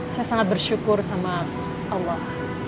saya sangat bersyukur sama allah